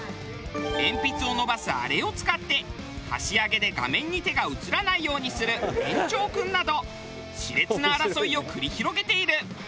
鉛筆を延ばすあれを使って箸上げで画面に手が映らないようにする延長くんなど熾烈な争いを繰り広げている。